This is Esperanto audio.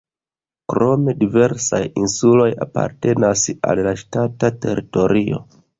Krome diversaj insuloj apartenas al la ŝtata teritorio.